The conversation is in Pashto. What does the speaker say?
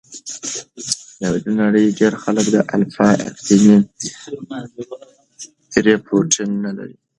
د نړۍ ډېر خلک د الفا اکتینین درې پروټین نه لري.